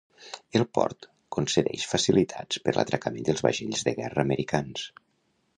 El port concedeix facilitats per l'atracament dels vaixells de guerra americans.